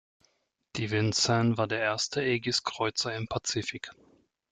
Die "Vincennes" war der erste Aegis-Kreuzer im Pazifik.